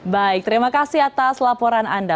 baik terima kasih atas laporan anda